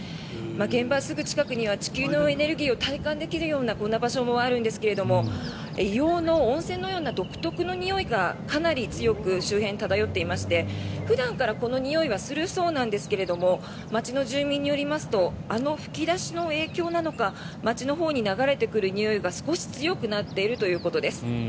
現場すぐ近くには地球のエネルギーを体感できるようなこんな場所もあるんですが硫黄の温泉のような独特なにおいがかなり強く周辺に漂っていまして普段からこのにおいはするそうなんですが町の住民によりますとあの噴き出しの影響なのか街のほうに流れてくるにおいが少し強くなってきているということです。